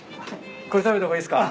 これ食べた方がいいっすか？